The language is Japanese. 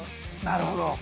「なるほど。